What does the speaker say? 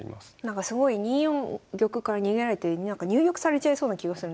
すごい２四玉から逃げられて入玉されちゃいそうな気がするんですけど。